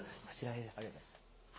ありがとうございます。